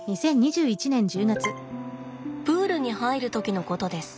プールに入る時のことです。